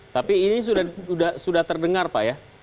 tapi ini sudah terdengar pak ya